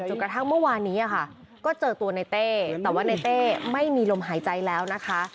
กระทั่งเมื่อวานนี้ค่ะก็เจอตัวในเต้แต่ว่าในเต้ไม่มีลมหายใจแล้วนะคะ